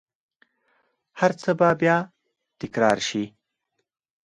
هرڅه به بیا تکرار شي